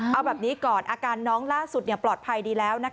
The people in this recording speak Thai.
เอาแบบนี้ก่อนอาการน้องล่าสุดปลอดภัยดีแล้ว